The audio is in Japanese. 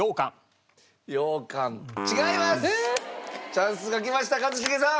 チャンスが来ました一茂さん！